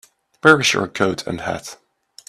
Where's your coat and hat?